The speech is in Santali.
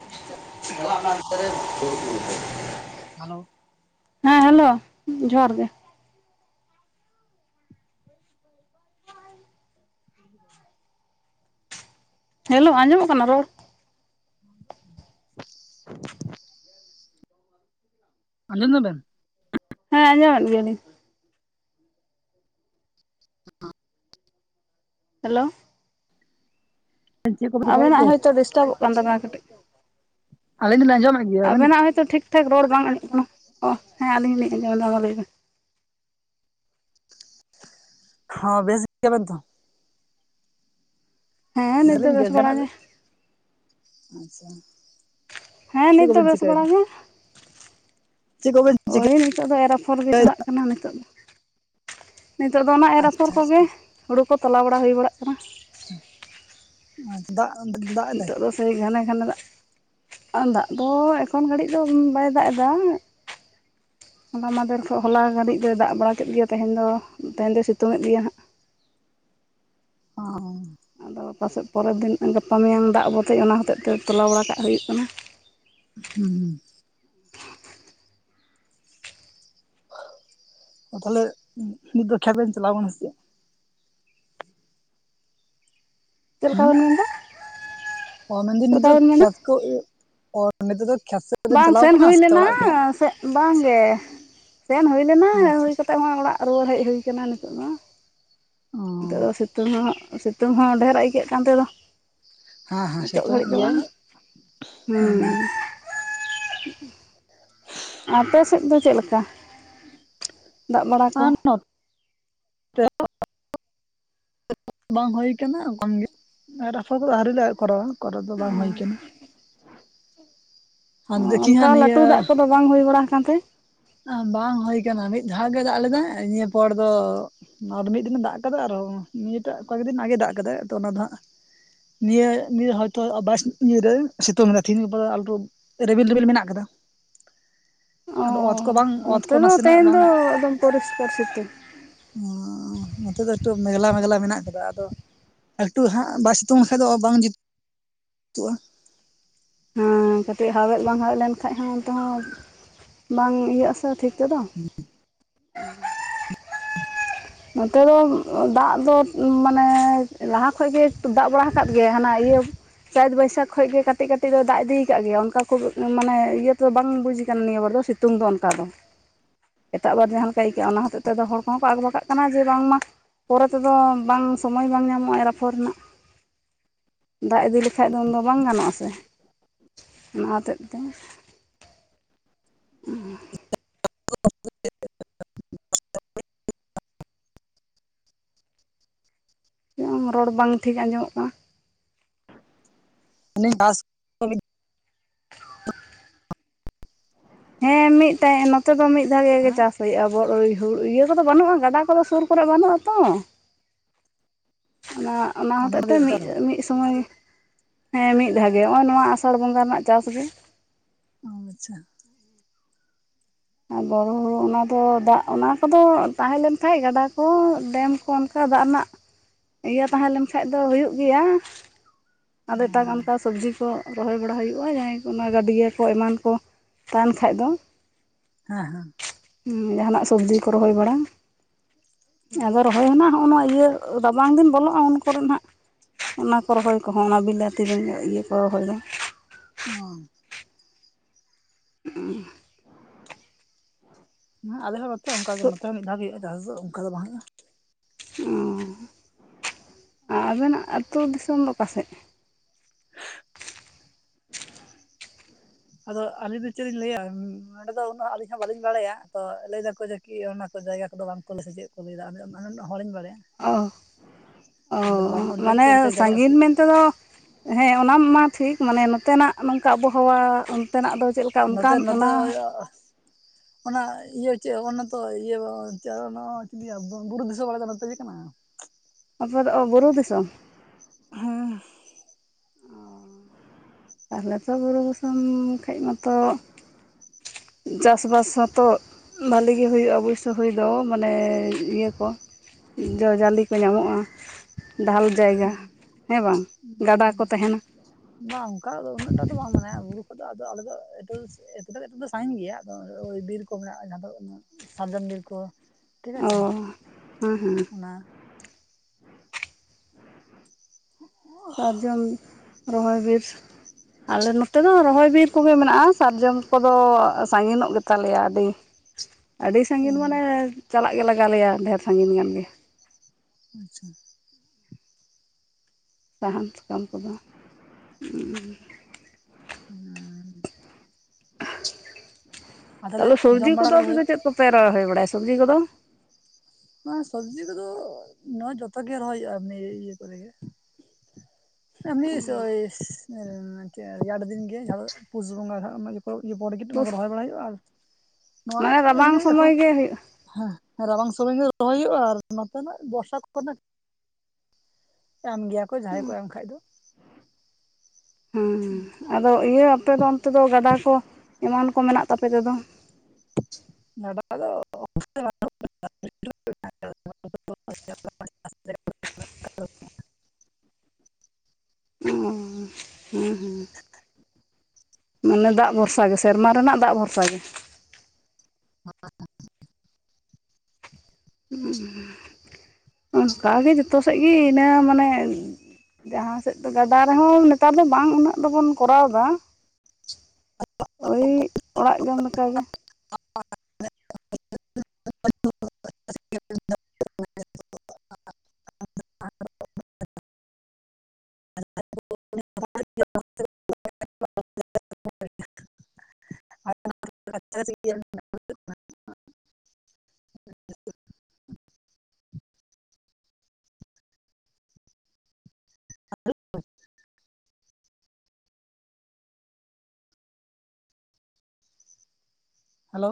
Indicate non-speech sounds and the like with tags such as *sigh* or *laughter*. *unintelligible* ᱟᱛᱟᱨ ᱦᱮᱞᱳ ᱦᱮᱸ ᱦᱮᱞᱳ ᱡᱚᱦᱟᱨ ᱜᱮ *unintelligible* ᱦ ᱦᱮᱞᱳ ᱟᱸᱡᱚᱢᱚᱜ ᱠᱟᱱᱟ ᱨᱚᱲ ᱟᱧᱡᱚᱢ ᱫᱟ ᱵᱮᱱ ᱦᱮᱸ ᱟᱸᱡᱚᱢᱮᱫ ᱜᱮᱭᱟᱞᱤᱧ ᱦᱮᱞᱳ ᱪᱮᱫ ᱠᱚᱯᱮ ᱪᱮᱠᱟᱭᱮᱫ ᱟᱵᱤᱱᱟᱜ ᱛᱮ ᱦᱚᱳᱭᱛᱳ ᱰᱤᱥᱴᱟᱵᱚᱜ ᱠᱟᱱ ᱛᱟᱵᱮᱱᱟ ᱠᱟᱹᱴᱤᱡ ᱟᱹᱞᱤᱧ ᱫᱚᱞᱤᱧ ᱟᱸᱡᱚᱢᱮᱫ ᱜᱮᱭᱟ ᱟᱵᱮᱱ ᱟᱵᱮᱱᱟᱜ ᱦᱚᱭᱛᱳ ᱴᱷᱤᱠᱼᱴᱷᱟᱠ ᱨᱚᱲ ᱵᱟᱝ ᱟᱡᱚᱢᱚᱜ ᱠᱟᱱᱟ ᱦᱮᱸ ᱟᱞᱤᱧ ᱞᱤᱧ ᱟᱡᱚᱢᱚᱜ ᱮᱫᱟ ᱢᱟ ᱞᱟᱹᱭ ᱵᱮᱱ ᱦᱚᱸ ᱵᱮᱥ ᱜᱮᱭᱟ ᱵᱮᱱ ᱛᱚ ᱦᱮᱸ ᱱᱤᱛ ᱫᱚ ᱢᱮᱱᱟᱞᱤᱧ ᱵᱮᱥ ᱵᱟᱲᱟ ᱫᱚᱱᱟᱜ ᱜᱮ ᱟᱪᱪᱷᱟ ᱦᱮᱸ ᱪᱮᱫ ᱱᱤᱛ ᱫᱚ ᱠᱚᱵᱮᱱ ᱵᱮᱥ ᱵᱟᱲᱟ ᱪᱤᱠᱟᱹᱭᱮᱫᱟ ᱜᱮ ᱪᱮᱫ ᱠᱚᱵᱮᱱ ᱳᱭ ᱪᱤᱠᱟᱹᱭᱮᱫᱟ ᱱᱤᱛᱚᱜ ᱫᱚ ᱮᱨᱟᱯᱷᱚᱨ ᱜᱮ ᱪᱟᱞᱟᱜ ᱠᱟᱱᱟ ᱱᱤᱛᱚᱜ ᱫᱚ ᱱᱤᱛᱚᱜ ᱫᱚ ᱚᱱᱟ ᱮᱨ ᱟᱯᱷᱚᱨ ᱟᱪᱪᱷᱟ ᱠᱚᱜᱮ ᱦᱩᱲᱩ ᱠᱚ ᱛᱟᱞᱟᱣ ᱵᱟᱲᱟ ᱦᱩᱭ ᱵᱟᱲᱟᱜ ᱠᱟᱱᱟ ᱟᱫᱚ *inaudible* ᱱᱤᱛᱚᱜ ᱫᱚ ᱥᱮᱭ ᱠᱟᱱᱟᱮ ᱮᱱᱠᱷᱟᱱ ᱫᱟᱜ ᱫᱚ ᱮᱠᱷᱚᱱ ᱜᱷᱟᱹᱲᱤᱡ ᱫᱚ ᱵᱟᱭ ᱫᱟᱜ ᱮᱫᱟ ᱦᱚ ᱢᱟᱫᱷᱮᱨ ᱠᱷ ᱦᱚᱞᱟ ᱜᱷᱟᱹᱲᱤᱡ ᱫᱚᱭ ᱫᱟᱜ ᱵᱟᱲᱟ ᱠᱮᱫ ᱜᱮᱭᱟ ᱛᱮᱦᱮᱸᱧ ᱫᱚ ᱛᱮᱦᱮᱧ ᱫᱚᱭ ᱥᱤᱛᱩᱝᱫ ᱜᱮᱭᱟ ᱦᱟᱸᱜ *inaudible* ᱚ ᱟᱫᱚ ᱯᱟᱥᱮᱡ ᱯᱚᱨᱮᱨ ᱫᱤᱱ ᱜᱟᱯᱟ ᱢᱮᱭᱟᱝ ᱫᱟᱜ ᱵᱚᱫᱮᱡ ᱚᱱᱟ ᱦᱚᱛᱮᱡ ᱛᱮ ᱛᱚᱞᱟᱣ ᱵᱟᱲᱟ ᱠᱟᱜ ᱦᱩᱭᱩᱜ ᱠᱟᱱᱟ ᱦᱩᱸ ᱛᱟᱦᱚᱞᱮ ᱢᱤᱫ ᱫᱚ ᱠᱷᱮᱞ ᱵᱮᱱ ᱪᱟᱞᱟᱣ ᱠᱟᱱᱟ ᱪᱮᱫ ᱪᱮᱫ ᱞᱮᱠᱟ ᱦᱩᱸ ᱵᱮᱱ ᱢᱮᱱᱫᱟ ᱚ ᱢᱮᱱᱫ ᱪᱮᱫ ᱞᱮᱠᱟ ᱱᱤᱛᱤᱛ ᱵᱮᱱ ᱢᱮᱱᱟ ᱠᱷᱮᱛ ᱠᱚ ᱱᱤᱛ ᱫᱚ ᱠᱷᱮᱛ ᱥᱮᱫ ᱵᱮᱱ ᱵᱟᱝ ᱪᱟᱞᱟᱣ ᱥᱮᱱ ᱠᱟᱱᱟ ᱦᱩᱭ ᱥᱮ ᱞᱮᱱᱟ ᱚᱲᱟᱜ ᱨᱮ ᱢᱮᱱᱟᱜ ᱥᱮ ᱵᱟᱝᱜᱮ ᱥᱮᱱ ᱦᱩᱭ ᱞᱮᱱᱟ ᱚ ᱟᱪᱪᱷᱟ ᱦᱩᱭ ᱟᱪᱪᱷᱟ ᱠᱟᱛᱮ ᱦᱚᱸ ᱚᱲᱟᱜ ᱨᱩᱣᱟᱹᱲ ᱦᱮᱡ ᱦᱩᱭᱩ ᱟᱠᱟᱱᱟ ᱱᱤᱛᱳ ᱢᱟ ᱚ ᱱᱤᱛᱚᱜ ᱫᱚ ᱥᱤᱛᱩᱝ ᱦᱚᱸ ᱥᱤᱛᱩᱝ ᱦᱚᱸ ᱰᱷᱮᱹᱮᱨ ᱟᱹᱭᱠᱟᱹᱜ ᱠᱟᱱ ᱛᱮᱫᱚ ᱦᱮᱸ ᱦᱮᱸ ᱱᱤᱛᱚᱜ ᱥᱤᱛᱩᱝ ᱜᱷᱟᱹᱲᱤᱡ ᱮᱫ ᱫᱚ ᱜᱮᱭᱟᱭ ᱵᱟᱝ ᱦᱮᱸ ᱦ *inaudible* *inaudible* ᱟᱯᱮ ᱥᱮᱫ ᱫᱚ ᱪᱮᱫ ᱞᱮᱠᱟ ᱫᱟᱜ ᱵᱟᱲᱟ ᱠᱚ ᱦ *inaudible* ᱵᱟᱝ ᱦᱩᱭ ᱠᱟᱱᱟ ᱠᱚᱢ ᱜᱮ ᱨᱟᱯᱷᱷᱟ ᱠᱚᱫᱚ ᱦᱟᱹᱨ ᱞᱮ ᱠᱚᱨᱟᱣᱟ ᱠᱚᱨ ᱫᱚ ᱵᱟᱝ ᱦᱩᱭ ᱠᱟᱱᱟ ᱦ ᱚ ᱚᱱᱠᱟ ᱞᱟᱹᱴᱩ ᱫᱟᱜ ᱠᱚᱫᱚ ᱵᱟᱝ ᱦᱩᱭ ᱵᱟᱲᱟ ᱟᱠᱟᱱᱛᱮ ᱵᱟᱝ ᱦᱩᱭ ᱟᱠᱟᱱᱟ ᱢᱤᱫ ᱫᱷᱟᱣ ᱜᱮ ᱫᱟᱜ ᱞᱮᱫᱟ ᱱᱤᱭᱟᱹ ᱯᱚᱨ ᱫᱚ ᱱᱚᱣᱟ ᱫᱚ ᱢᱤᱫ ᱫᱤᱱᱮ ᱫᱟᱜ ᱠᱟᱫᱟ ᱟᱨᱚ ᱱᱤᱭᱟᱹᱴᱟᱜ ᱠᱚᱭᱮᱠ ᱫᱤᱱ ᱟᱜᱮ ᱫᱟᱜ ᱠᱟᱫᱟᱭ ᱛᱚ ᱚᱱᱟ ᱫᱚ ᱦᱟᱸᱜ ᱱᱤᱭᱟᱹ ᱱᱤᱭᱟᱹ ᱦᱚᱭᱛᱳ ᱵᱟᱥ ᱱᱤᱭᱟᱹᱨᱮ ᱥᱤᱛᱩᱝ ᱮᱫᱟ ᱛᱤᱦᱤᱧ ᱜᱟᱯᱟ ᱫᱚ ᱟᱴᱩ ᱨᱮᱵᱮᱞ ᱨᱮᱵᱮᱞ ᱢᱮᱱᱟᱜ ᱟᱠᱟᱫᱟ *inaudible* ᱚ ᱱᱚᱛᱮ ᱫᱚ ᱛᱮᱦᱮᱧ ᱫᱚ ᱮᱠᱫᱚᱢ ᱯᱚᱨᱤᱥᱯᱟᱨ ᱚ ᱱᱚᱛᱮ ᱫᱚ ᱮᱴᱩ ᱢᱮᱜᱞᱟ ᱢᱮᱜᱞᱟ ᱢᱮᱱᱟᱜ ᱟᱫᱚ ᱮᱠᱴᱩ ᱦᱟᱸᱜ ᱵᱟᱭ ᱥᱤᱛᱩᱝ ᱠᱷᱟᱱ ᱫᱚ ᱵᱟᱝ ᱡᱩᱛᱩᱜᱼᱟ ᱼᱟ ᱦᱮᱸ ᱠᱟᱹᱴᱤᱡ ᱦᱟᱣᱮᱫ ᱵᱟᱝ ᱦᱟᱣᱮᱫ ᱞᱮᱱᱠᱷᱷᱟᱡ ᱦᱚᱸ ᱚᱱᱛᱮ ᱦᱚᱸ ᱵᱟᱝ ᱤᱭᱟᱹᱜ ᱟᱥᱮ ᱴᱷᱤᱠ ᱱᱤᱛ ᱫᱚ ᱦ *inaudible* ᱱᱚᱛᱮ ᱫᱚ ᱫᱟᱜ ᱫᱚ ᱢᱟᱱᱮ ᱞᱟᱦᱟ ᱠᱷᱚᱱᱚᱡ ᱜᱮ ᱫᱟᱜ ᱵᱟᱲᱟ ᱟᱠᱟᱫ ᱜᱮ ᱦᱟᱱᱟ ᱤᱭᱟᱹ ᱪᱟᱹᱛ ᱵᱟᱹᱭᱥᱟᱠᱷ ᱠᱷᱚᱡ ᱜᱮ ᱠᱟᱹᱴᱤᱡ ᱠᱟᱹᱴᱤᱡ ᱫᱚ ᱫᱟᱜ ᱤᱫᱤᱭ ᱟᱠᱟᱫ ᱜᱮᱭᱟ ᱚᱱᱠᱟ ᱠᱷᱩᱵ ᱢᱟᱱᱮ ᱤᱭᱟᱹ ᱛᱚ ᱵᱟᱝ ᱵᱩᱡ ᱟᱠᱟᱱᱟ ᱱᱤᱭᱟᱹ ᱵᱚᱞᱮ ᱥᱤᱛᱩᱝ ᱫᱚ ᱚᱱᱠᱟ ᱫᱚ ᱮᱴᱟᱜᱵᱟᱨ ᱡᱟᱦᱟᱸ ᱞᱮᱠᱟ ᱟᱹᱭᱠᱟᱹᱜᱼᱟ ᱚᱱᱟ ᱦᱚᱛᱮᱫ ᱛᱚ ᱦᱚᱲ ᱠᱚᱦᱚᱸ ᱟᱜᱵᱟ ᱠᱟᱜ ᱠᱚ ᱠᱟᱱᱟ ᱡᱮ ᱵᱟᱝᱢᱟ ᱯᱚᱨᱮ ᱛᱮᱫᱚ ᱵᱟᱝ ᱥᱚᱢᱚᱭ ᱵᱟᱝ ᱧᱟᱢᱚᱜᱼᱟ ᱨᱯᱷᱚᱲ ᱨᱮᱱᱟᱜ ᱫᱟᱜ ᱤᱫᱤ ᱞᱮᱠᱷᱟᱡ ᱫᱚ ᱩᱱᱫᱚ ᱵᱟᱝ ᱜᱟᱱᱚᱜ ᱟᱥᱮ ᱚᱱᱟ ᱦᱚᱛᱮᱜ ᱛᱮ *inaudible* ᱨᱚᱲ ᱵᱟᱝ ᱴᱷᱤᱠ ᱟᱸᱡᱚᱢᱚᱜ ᱠᱟᱱᱟ ᱟᱥ *inaudible* ᱦᱮᱸ ᱢᱤᱫᱴᱟᱭ ᱱᱚᱛᱮ ᱫᱚ ᱢᱤᱫ ᱫᱷᱟᱣᱮ ᱜᱮ ᱪᱟᱥ ᱦᱩᱭᱩᱜᱼᱟ ᱜᱟᱰᱟ ᱠᱚᱫᱚ ᱥᱩᱨ ᱠᱚᱨᱮ ᱵᱟᱹᱱᱩᱜᱼᱟ ᱛᱚ ᱚᱱᱟ ᱚᱱᱟ ᱦᱚᱛᱮᱜ ᱛᱮ ᱢᱤᱫ ᱢᱤᱫ ᱥᱚᱢᱚᱭ ᱦᱮᱸ ᱢᱤᱫ ᱫᱷᱟᱣ ᱜᱮ ᱱᱚᱜᱼᱚᱭ ᱱᱚᱣᱟ ᱟᱥᱟᱲ ᱵᱚᱸᱜᱟ ᱨᱮᱱᱟᱜ ᱪᱟᱥ ᱜᱮ ᱚᱸ ᱟᱪᱪᱷᱟ ᱟᱨ ᱵᱚᱨᱳ ᱦᱩᱲᱩ ᱚᱱᱟ ᱫᱚ ᱫᱟᱜ ᱚᱱᱟ ᱠᱚᱫᱚ ᱛᱟᱦᱮᱸᱞᱮᱱᱠᱷᱷᱟᱡ ᱜᱟᱰᱟ ᱠᱚ ᱰᱮᱢ ᱠᱚ ᱚᱱ ᱠᱟ ᱫᱟᱜ ᱨᱮᱱᱟᱜ ᱤᱭᱟᱹ ᱛᱟᱦᱮᱸ ᱞᱮᱱᱠᱷᱷᱟᱡ ᱫᱚ ᱦᱩᱭᱩᱜ ᱜᱮᱭᱟ ᱟᱫᱚ ᱮᱴᱟᱜᱟᱜ ᱚᱱᱠᱟ ᱥᱚᱵᱽᱡᱤ ᱠᱚ ᱨᱚᱦᱚᱭ ᱵᱟᱲᱟ ᱦᱩᱭᱩᱜ-ᱟ ᱡᱟᱦᱟᱸᱭ ᱠᱚ ᱚᱱᱟ ᱜᱟᱹᱰᱭᱟᱹ ᱠᱚ ᱮᱢᱟᱱ ᱠᱚ ᱛᱟᱦᱮᱱ ᱠᱷᱟᱡ ᱫᱚ ᱦᱮᱸ ᱦᱮᱸ ᱡᱟᱦᱟᱱᱟᱜ ᱥᱚᱵᱽᱡᱤ ᱠᱚ ᱨᱚᱦᱚᱭ ᱵᱟᱲᱟ ᱟᱫᱚ ᱨᱚᱦᱚᱭ ᱦᱚᱸᱱᱟᱜ ᱦᱚᱱᱚ ᱱᱚᱣᱟ ᱤᱭᱟᱹ ᱨᱟᱵᱟᱝ ᱫᱤᱱ ᱵᱚᱞᱚᱜ-ᱟ ᱩᱱ ᱠᱚᱨᱮᱱ ᱦᱟᱸᱜ ᱚᱱᱟ ᱠᱚ ᱨᱚᱦᱚᱭ ᱠᱚᱦᱚᱸ ᱚᱱᱟ ᱵᱤᱞᱟᱹᱛᱤ ᱵᱮᱸᱜᱟ ᱤᱭᱟᱹ ᱠᱚ ᱨᱚᱦᱚᱭ ᱫᱚ ᱚᱸ ᱚᱸᱦ ᱦᱮᱸ ᱟᱞᱮ ᱦᱚᱸ ᱱᱚᱛᱮ ᱚᱱᱠᱟᱜᱮ ᱛᱚ ᱱᱚᱛᱮ ᱦᱚᱸ ᱢᱤᱫ ᱫᱷᱟᱣ ᱜᱮ ᱦᱩᱭᱩᱜᱼᱟ ᱪᱟᱥ ᱫᱚ ᱚᱱᱠᱟ ᱫᱚ ᱵᱟᱝ ᱦᱩᱭᱩᱜᱼᱟ ᱚᱸᱻ ᱟᱨ ᱟᱵᱮᱱᱟᱜ ᱟᱹᱛᱩ ᱫᱤᱥᱚᱢ ᱫᱚ ᱚᱠᱟ ᱥᱮᱫ ᱟᱫᱚ ᱟᱹᱞᱤᱧ ᱫᱚ ᱪᱮᱫ ᱞᱤᱧ ᱞᱟᱹᱭᱟ ᱱᱚᱸᱰᱮ ᱫᱚ ᱡᱟᱭᱜᱟ ᱠᱚᱫᱚ ᱵᱟᱝᱠᱚ ᱞᱟᱹᱭ ᱥᱮᱪᱮᱫ ᱠᱚ ᱞᱟᱹᱭ ᱮᱫᱟ ᱟᱫᱚ *unintelligible* ᱦᱚᱲᱤᱧ ᱵᱟᱲᱟᱭᱟ ᱚᱸ ᱚᱸᱰᱮ ᱫᱚ ᱵᱟᱝ ᱚᱸᱻ ᱩᱞᱞᱮᱠᱷ ᱢᱟᱱᱮ ᱞᱟᱹᱭ ᱜᱟᱱᱚᱜᱼᱟ ᱥᱮ ᱥᱟᱹᱜᱤᱧ ᱢᱮᱱᱛᱮᱫᱚ ᱦᱮᱸ ᱚᱱᱟ ᱢᱟ ᱴᱷᱤᱠ ᱢᱟᱱᱮ ᱱᱚ ᱚᱱᱛᱮᱱᱟᱜ ᱱᱚᱝᱠᱟ ᱟᱵᱚᱦᱟᱣᱟ ᱚᱱᱛᱮᱱᱟᱜ ᱫᱚ ᱪᱮᱫ ᱞᱮᱠᱟ ᱚᱱᱠᱟ‌ ᱱᱚᱛᱮ ᱱᱚᱛᱮ ᱚᱱᱟ *inaudible* ᱚᱱᱟ ᱤᱭᱟᱹ ᱪᱮᱫ ᱚᱱᱟᱛᱚ ᱤᱭᱟᱹ *unintelligible* ᱵᱩᱨᱩ ᱫᱤᱥᱚᱢ ᱟᱞᱮ ᱫᱚ ᱱᱚᱛᱮ ᱪᱮᱫ ᱠᱟᱱᱟ ᱟᱯᱮ ᱫᱚ ᱚ ᱵᱩᱨᱩ ᱫᱤᱥᱚᱢ ᱦᱮᱸ ᱛᱟᱦᱞᱮ ᱛᱚ ᱵᱩᱨᱩ ᱵᱟᱥᱚᱱ ᱠᱷᱟᱡ ᱢᱟᱛᱚ ᱪᱟᱥᱵᱟᱥ ᱦᱚᱸᱛᱚ ᱵᱷᱟᱞᱤᱜᱮ ᱦᱩᱭᱩᱜ-ᱟ ᱚᱵᱳᱥᱥᱳᱚ ᱦᱩᱭ ᱫᱚ ᱢᱟᱱᱮ ᱤᱭᱟᱹ ᱠᱚ ᱡᱚ ᱡᱟᱹᱞᱮ ᱠᱚ ᱧᱟᱢᱚᱜ-ᱟ ᱰᱷᱟᱞ ᱡᱟᱭᱜᱟ ᱦᱮᱸ ᱵᱟᱝ ᱜᱟᱰᱟ ᱠᱚ ᱛᱟᱦᱮᱱᱟ ᱵᱟᱝ ᱚᱱᱠᱟ ᱩᱱᱟᱹᱜ ᱴᱟ ᱫᱚ ᱵᱟᱝ ᱢᱟᱱᱮ ᱵᱩᱨᱩ ᱟᱫᱚ ᱟᱞᱮᱫᱚ *unintelligible* ᱥᱟᱹᱜᱤᱧ ᱜᱮᱭᱟ ᱟᱫᱚ ᱳᱭ ᱵᱤᱨ ᱠᱚ ᱢᱮᱱᱟᱜ-ᱟ ᱡᱟᱦᱟᱸ ᱫᱚ ᱥᱟᱨᱡᱚᱢ ᱢᱫᱤᱨ ᱠᱚ ᱴᱷᱤᱠ ᱚ ᱟᱪᱷᱮ ᱦᱮᱸ ᱦᱮᱸ ᱚᱱᱟ ᱥᱟᱨᱡᱚᱢ ᱨᱚᱦᱚᱭ ᱵᱤᱨ ᱟᱞᱮ ᱱᱚᱛᱮ ᱫᱚ ᱨᱚᱦᱚᱭ ᱵᱤᱨ ᱠᱚᱜᱮ ᱢᱮᱱᱟᱜ-ᱟ ᱥᱟᱨᱡᱚᱢ ᱠᱚᱫᱚ ᱥᱟᱹᱜᱤᱱᱚᱜ ᱜᱮᱛᱟᱞᱮᱭᱟ ᱟᱹᱰᱤ ᱟᱹᱰᱤ ᱚ ᱥᱟᱹᱜᱤᱧ ᱢᱟᱱᱮ ᱪᱟᱞᱟᱜ ᱜᱮ ᱞᱟᱜᱟᱣ ᱞᱮᱭᱟ ᱰᱷᱮᱨ ᱥᱟᱹᱜᱤᱧ ᱜᱟᱱ ᱜᱮ ᱟᱪᱪᱷᱟ ᱥᱟᱦᱟᱱ ᱥᱟᱠᱟᱢ ᱠᱚᱫᱚ *unintelligible* *unintelligible* ᱟᱨ ᱛᱟᱦᱚᱞᱮ ᱛᱟᱦᱞᱮ ᱥᱚᱵᱽᱡᱤ ᱡᱚᱢ ᱵᱟᱲᱟ ᱠᱚᱫᱚ ᱟᱯᱮ ᱦᱩᱭ ᱫᱚ ᱪᱮᱫ ᱠᱚᱯᱮ ᱨᱚᱦᱚᱦᱚᱭ ᱵᱟᱲᱟᱭᱟ ᱥᱚᱵᱽᱡᱤ ᱠᱚᱫᱚ ᱚᱸ ᱥᱚᱵᱡᱤ ᱠᱚᱫᱚ ᱱᱚᱣᱟ ᱡᱚᱛᱚᱜ ᱜᱮ ᱨᱚᱦᱚᱭ ᱦᱩᱭᱩᱜ-ᱟ ᱮᱢᱱᱤ ᱤᱭᱟᱹ ᱠᱚᱨᱮᱜᱮ ᱮᱢ ᱳᱭ ᱨᱮᱭᱟᱲ ᱫᱤᱱ ᱜᱮ ᱯᱩᱥ ᱵᱚᱸᱜᱟ ᱤᱭᱟᱹ ᱵᱚᱨᱜᱤᱴ ᱚᱱᱟ ᱠᱚ ᱨᱚᱦᱚᱭ ᱵᱟᱲᱟᱭ ᱦᱩᱭᱩᱜ-ᱟ ᱟᱨ ᱱᱚᱣᱟ ᱢᱟᱱᱮ ᱨᱟᱵᱟᱝ ᱮᱢᱱᱤ ᱥᱚᱢᱚᱭ ᱮᱠᱷᱚᱱ ᱜᱮ ᱦᱩᱭᱩᱜᱼᱟ ᱦᱮᱸ ᱦᱮᱸ ᱨᱟᱵᱟᱝ ᱥᱚᱢᱚᱭ ᱜᱮ ᱫᱚᱚᱭ ᱦᱩᱭᱩᱜ-ᱟ ᱟᱨ ᱱᱚᱛᱮᱱᱟᱜ ᱵᱚᱨᱥᱟᱠᱷ ᱠᱷᱚᱱᱚᱱᱮ ᱮᱢ ᱜᱮᱭᱟ ᱠᱚ ᱡᱟᱸᱦᱟᱭ ᱠᱚ ᱮᱢ ᱠᱷᱟᱫ ᱫᱚ ᱦᱮᱸ ᱟᱫᱚ ᱤᱭᱟᱹ ᱟᱯᱮ ᱫᱚ ᱚᱱᱛᱮ ᱫᱚ ᱜᱟᱰᱟ ᱠᱚ ᱮᱢᱟᱱ ᱠᱚ ᱢᱮᱱᱟᱜ ᱛᱟᱯᱮ ᱛᱮᱫᱚ ᱫᱚ *unintelligible* *unintelligible* ᱚ ᱦᱮᱸ ᱦᱮᱸ ᱢᱟᱱᱮ ᱫᱟᱜ ᱵᱷᱚᱨᱥᱟ ᱜᱮ ᱥᱮᱨᱢᱟ ᱨᱮᱱᱟᱜ ᱫᱟᱜ ᱵᱷᱚᱨᱥᱟ ᱜᱮ ᱦ *unintelligible* ᱚᱱᱠᱟᱜᱮ ᱡᱚᱛᱚ ᱥᱮᱫ ᱜᱮ ᱤᱱᱟᱹ ᱢᱟᱱᱮ ᱡᱟᱦᱟᱸ ᱥᱮᱫ ᱫᱚ ᱜᱟᱰᱟ ᱨᱮᱦᱚᱸ ᱱᱮᱛᱟᱨ ᱫᱚ ᱵᱟᱝ ᱩᱱᱟᱹᱜ ᱫᱚᱵᱚᱱ ᱠᱚᱨᱟᱣ ᱮᱫᱟ *unintelligible* ᱳᱭ ᱚᱲᱟᱜ ᱡᱚᱢ ᱞᱮᱠᱟᱜᱮ *unintelligible* *unintelligible* *unintelligible* *unintelligible* *unintelligible* *unintelligible* ᱦᱮᱞᱳ